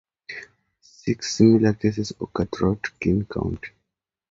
Six similar cases occurred throughout Kern County.